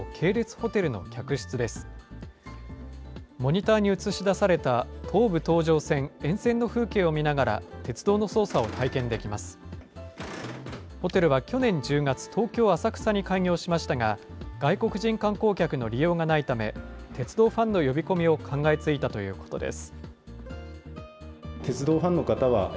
ホテルは去年１０月、東京・浅草に開業しましたが、外国人観光客の利用がないため、鉄道ファンの呼び込みを考えついたということです。